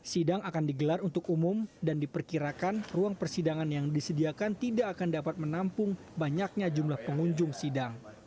sidang akan digelar untuk umum dan diperkirakan ruang persidangan yang disediakan tidak akan dapat menampung banyaknya jumlah pengunjung sidang